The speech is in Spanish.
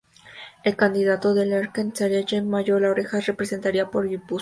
El candidato a Lehendakari sería Jaime Mayor Oreja que se presentaría por Guipúzcoa.